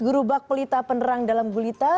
guru bak pelita penerang dalam gulita